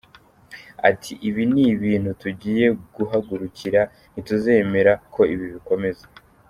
Ati “Ibi ni ibintu tugiye guhagurukira, ntituzemera ko ibi bikomeza.